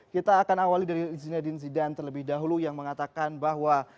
kita akan awali dari zinedin zidan terlebih dahulu yang mengatakan bahwa